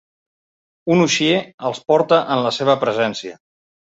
Un uixer els porta en la seva presència.